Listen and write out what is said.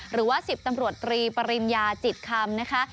หรือว่า๑๐ตำรวจตรีปริญญาจิตคำนะคะ